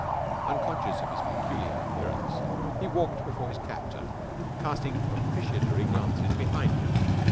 Unconscious of his peculiar appearance, he walked before his captor, casting propitiatory glances behind him.